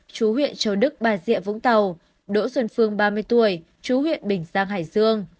chú huyện châu đức bà rịa vũng tàu đỗ xuân phương ba mươi tuổi chú huyện bình giang hải dương